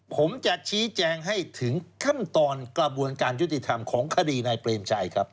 ผมจะชี้แจงให้ถึงขั้นตอนกระบวนการยุติธรรมของคดีนายเปรมชัยครับ